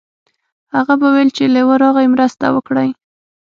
هغه به ویل چې لیوه راغی مرسته وکړئ.